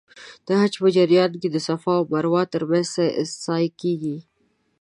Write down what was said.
د حج په جریان کې د صفا او مروه ترمنځ سعی کېږي.